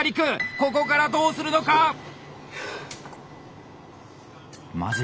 ここからどうするのか⁉まずい。